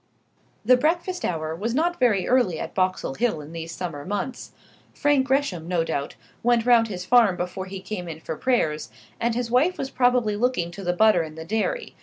The breakfast hour was not very early at Boxall Hill in these summer months. Frank Gresham, no doubt, went round his farm before he came in for prayers, and his wife was probably looking to the butter in the dairy.